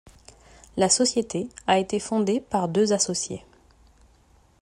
La société a été fondée par deux associés.